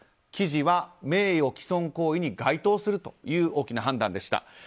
記事は名誉毀損行為に該当するという大きな判断でした。